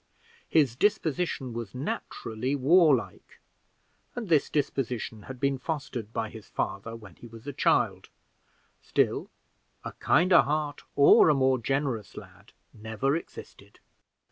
His disposition was naturally warlike, and this disposition had been fostered by his father when he was a child still a kinder heart or a more generous lad never existed.